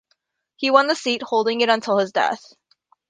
He won the seat, holding it until his death.